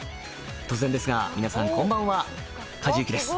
突然ですが皆さんこんばんは梶裕貴です